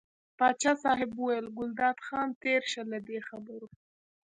پاچا صاحب وویل ګلداد خانه تېر شه له دې خبرو.